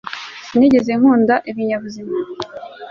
sinigeze nkunda ibinyabuzima